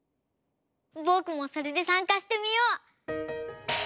ぼくもそれでさんかしてみよう！